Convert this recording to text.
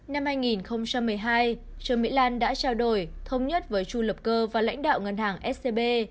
năm hai nghìn một mươi hai trương mỹ lan đã trao đổi thông nhất với chu lập cơ và lãnh đạo ngân hàng scb